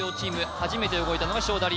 初めて動いたのが勝田り